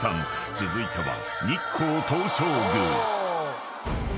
［続いては］